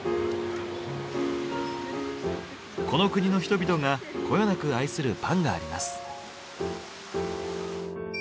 この国の人々がこよなく愛するパンがあります。